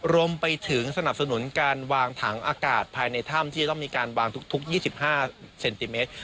รวมไปถึงสนับสนุนการวางถังอากาศภายในถ้ำที่จะต้องมีการวางทุก๒๕เซนติเมตร